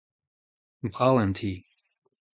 Brav eo an ti.